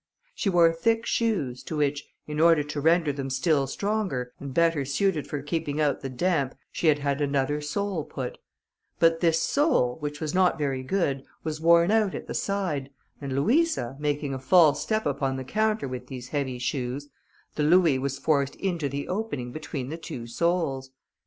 She wore thick shoes, to which, in order to render them still stronger, and better suited for keeping out the damp, she had had another sole put; but this sole, which was not very good, was worn out at the side, and Louisa, making a false step upon the counter with these heavy shoes, the louis was forced into the opening between the two soles.